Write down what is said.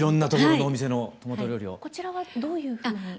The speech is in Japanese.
こちらはどういうふうに。